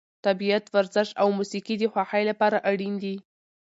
طبیعت، ورزش او موسیقي د خوښۍ لپاره اړین دي.